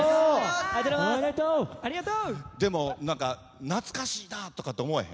でもなんか懐かしいなあとか思わへん。